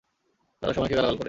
তারা সময়কে গালাগাল করে।